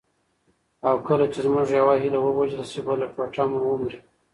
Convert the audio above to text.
او کله چي زموږ یوه هیله ووژل سي، بله ټوټه مو ومري.